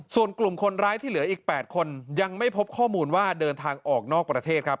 ส่วนกลุ่มคนร้ายที่เหลืออีก๘คนยังไม่พบข้อมูลว่าเดินทางออกนอกประเทศครับ